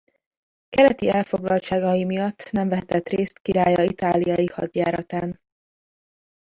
Keleti elfoglaltságai miatt nem vehetett részt királya itáliai hadjáratán.